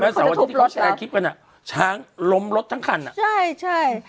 หรือเขาจะถูกลดแล้วเขาใช้คลิปกันอ่ะช้างลมรถทั้งขันอ่ะใช่ใช่